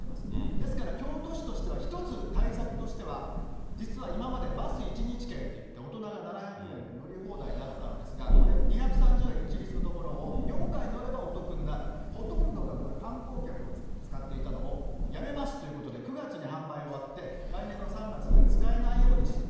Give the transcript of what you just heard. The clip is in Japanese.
ですから京都市としては、１つ対策としては、実は今まで、バス１日券といって、大人が７００円で乗り放題だったんですが、これ２３０円、一律のところを４回乗ればお得になる、ほとんどがこれ、観光客を使っていたのを、やめますということで、９月に販売終わって、来年の３月には使えないようにする。